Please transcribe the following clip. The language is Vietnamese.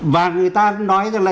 và người ta nói rằng là